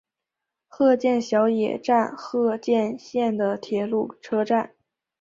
鹤见小野站鹤见线的铁路车站。